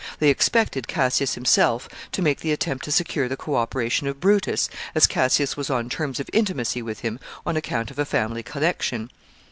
They expected Cassius himself to make the attempt to secure the co operation of Brutus, as Cassius was on terms of intimacy with him on account of a family connection.